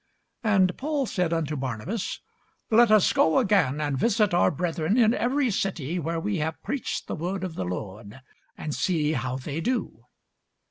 And Paul said unto Barnabas, Let us go again and visit our brethren in every city where we have preached the word of the Lord, and see how they do.